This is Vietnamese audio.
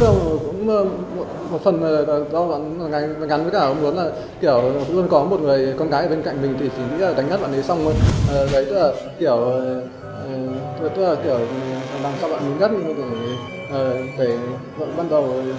tôi cũng một phần do bạn gắn với các bạn muốn là kiểu luôn có một người con gái bên cạnh mình thì chỉ đánh hết bạn ấy xong thôi